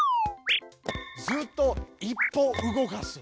「ずっと」「１歩動かす」。